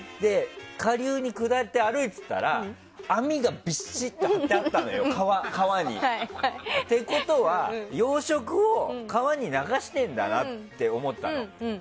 下流に下って歩いてたら網がびしっと張ってあったのよ川に。ということは、養殖を川に流してんだなって思ったの。